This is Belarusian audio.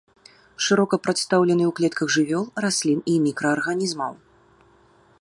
Шырока прадстаўлены ў клетках жывёл, раслін і мікраарганізмаў.